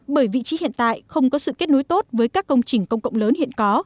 bởi vị trí hiện tại không có sự kết nối tốt với các công trình công cộng lớn hiện có